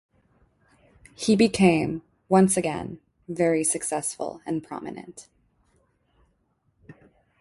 He became, once again, very successful and prominent.